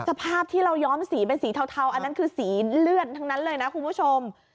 สภาพที่เราย้อมสีเป็นสีเทาอันนั้นคือสีเลือดทั้งนั้นเลยนะคุณผู้ชม